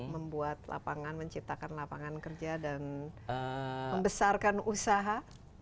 membuat lapangan menciptakan lapangan kerja dan membesarkan usaha